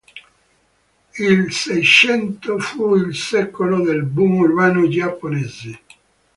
Il Seicento fu il secolo del boom urbano giapponese.